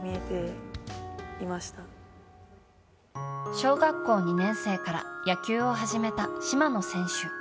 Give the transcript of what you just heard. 小学校２年生から野球を始めた島野選手。